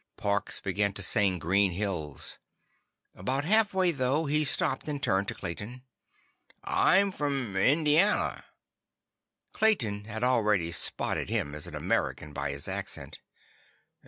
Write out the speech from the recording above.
Parks began to sing Green Hills. About halfway through, he stopped and turned to Clayton. "I'm from Indiana." Clayton had already spotted him as an American by his accent.